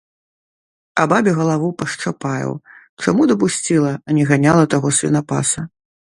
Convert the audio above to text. А бабе галаву пашчапаю, чаму дапусціла, а не ганяла таго свінапаса.